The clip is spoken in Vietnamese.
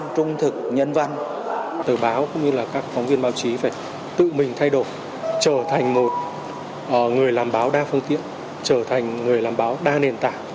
trở thành một người làm báo đa phương tiện trở thành người làm báo đa nền tảng